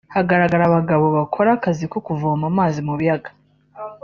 hagaragara abagabo bakora akazi ko kuvoma amazi mu biyaga